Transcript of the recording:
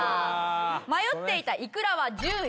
迷っていたいくらは１０位。